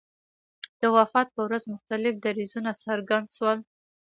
د وفات په ورځ مختلف دریځونه څرګند شول.